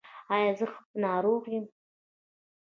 ایا زه ښه ناروغ یم؟